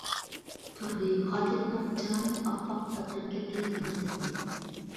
تۇردى خاسىيەتنىڭ چىرايىنىڭ ئاپئاق تاتىرىپ كەتكەنلىكىنى سەزدى.